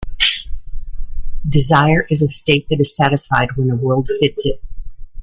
Desire is a state that is satisfied when the world fits it.